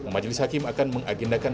majelis hakim akan mengagendakan